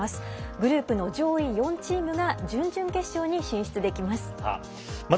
グループの上位４チームが準々決勝に進出できます。